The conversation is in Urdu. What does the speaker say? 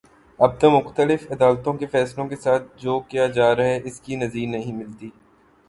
اب تو مختلف عدالتوں کے فیصلوں کے ساتھ جو کیا جا رہا ہے اس کی نظیر نہیں ملتی